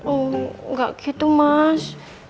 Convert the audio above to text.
oh gak gitu mas